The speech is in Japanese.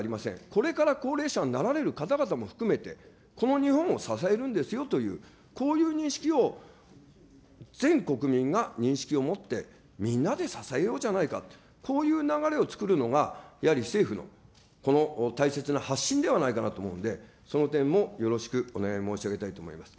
これから高齢者になられる方々も含めて、この日本を支えるんですよという、こういう認識を、全国民が認識を持って、みんなで支えようじゃないかと、こういう流れを作るのが、やはり政府の、この大切な発信ではないかなと思うんで、その点もよろしくお願い申し上げたいと思います。